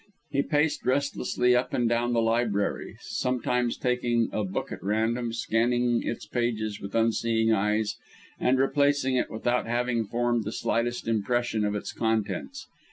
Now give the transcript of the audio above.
He paced restlessly up and down the library, sometimes taking a book at random, scanning its pages with unseeing eyes, and replacing it without having formed the slightest impression of its contents.